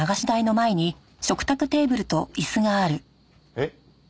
えっ？